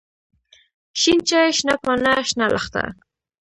شين چای، شنه پاڼه، شنه لښته.